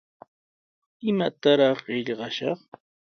¿Imatrawraq qillqashaq?